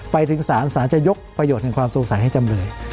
ไปถึงศาลศาลจะยกประโยชน์แห่งความสงสัยให้จำเลย